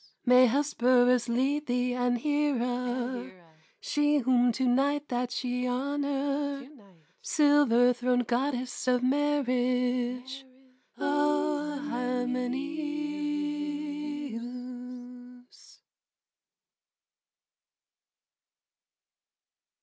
May Hesperus lead thee, and Hera, She whom to night that ye honor, Silver throned Goddess of marriage, O Hymenæus!